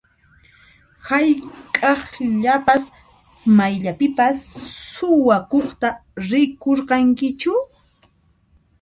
Hayk'aqllapas mayllapipas suwakuqta rikurqankichu?